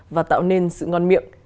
và tạo nên sự ngon miệng